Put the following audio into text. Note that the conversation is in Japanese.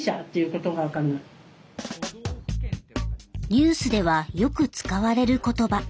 ニュースではよく使われる言葉。